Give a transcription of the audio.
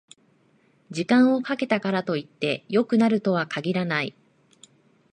時間をかけたからといって良くなるとは限らない